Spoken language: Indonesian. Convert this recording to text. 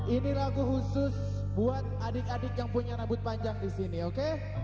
ini lagu khusus buat adik adik yang punya nabut panjang disini oke